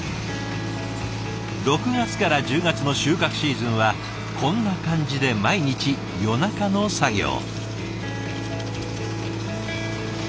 ６月から１０月の収穫シーズンはこんな感じで毎日夜中の作業。